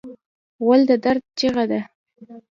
غول د درد چیغه ده.